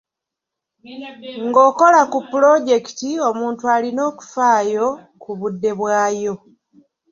Ng'okola ku pulojekiti, omuntu alina okufaayo ku budde bwayo.